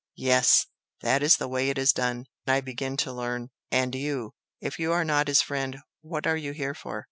Yes! That is the way it is done! I begin to learn! And you, if you are not his friend, what are you here for?"